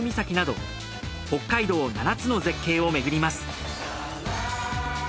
北海道７つの絶景を巡ります。